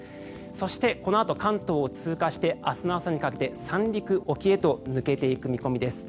そして、このあと関東を通過して明日の朝にかけて三陸沖へと抜けていく見込みです。